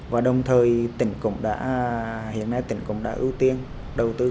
và đồng thời tỉnh cũng đã hiện nay tỉnh cũng đã ưu tiên đầu tư